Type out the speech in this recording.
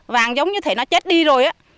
vàng giống như thế nó chết đi rồi á